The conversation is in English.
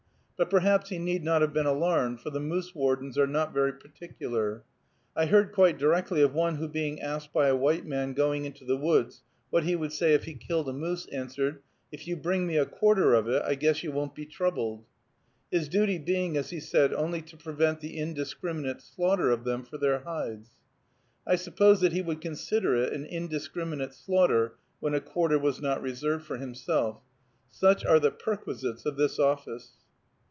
But perhaps he need not have been alarmed, for the moose wardens are not very particular. I heard quite directly of one who being asked by a white man going into the woods what he would say if he killed a moose, answered, "If you bring me a quarter of it, I guess you won't be troubled." His duty being, as he said, only to prevent the "indiscriminate" slaughter of them for their hides. I suppose that he would consider it an indiscriminate slaughter when a quarter was not reserved for himself. Such are the perquisites of this office.